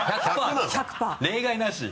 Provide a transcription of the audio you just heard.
例外なし？